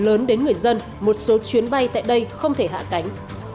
đối với những người dân một số chuyến bay tại đây không thể hạ cánh